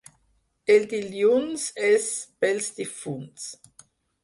El dilluns és pels difunts.